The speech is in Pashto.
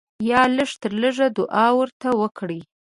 یا لږ تر لږه دعا ورته وکړئ.